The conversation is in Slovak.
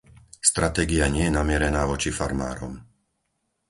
Stratégia nie je namierená voči farmárom.